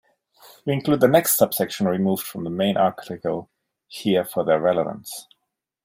We include the next subsections removed from the main article here for their relevance.